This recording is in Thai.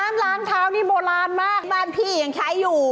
น้ำล้างเท้านี่โบราณมากบ้านพี่ยังใช้อยู่